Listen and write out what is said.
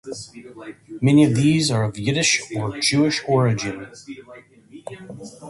Many of these are of Yiddish or Jewish origin.